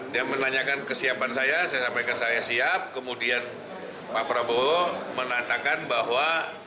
dia menanyakan kesiapan saya saya sampaikan saya siap kemudian pak prabowo mengatakan bahwa